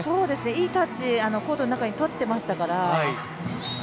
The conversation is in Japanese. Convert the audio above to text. いいタッチ、コートの中に取ってましたから。